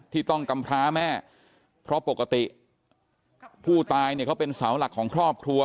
ที่ต้องกำพร้าแม่เพราะปกติผู้ตายเนี่ยเขาเป็นเสาหลักของครอบครัว